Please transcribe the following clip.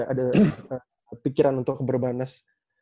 ada pikiran untuk perbanas